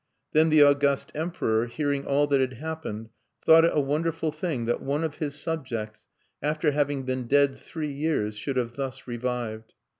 Then the august Emperor, hearing all that had happened, thought it a wonderful thing that one of his subjects, after having been dead three years, should have thus revived.